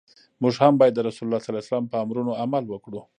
موږ هم باید د رسول الله ص په امرونو عمل وکړو.